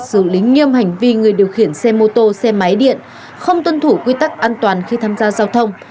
xử lý nghiêm hành vi người điều khiển xe mô tô xe máy điện không tuân thủ quy tắc an toàn khi tham gia giao thông